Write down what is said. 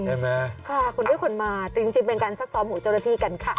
ใช่ไหมค่ะคนที่ขนมาแต่จริงเป็นการซักซ้อมของเจ้าหน้าที่กันค่ะ